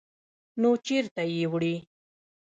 _نو چېرته يې وړې؟